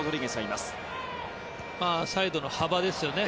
サイドの幅ですね。